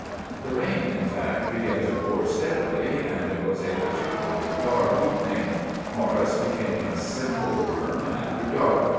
The rain, in fact, began to pour steddily and it was a partickularly dark evening. Morris became a simple worm after dark.